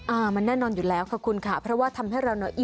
อ่ามันแน่นอนอยู่แล้วขอบคุณค่ะ